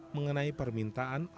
mengenai permintaan adat